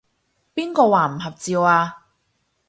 邊個話唔合照啊？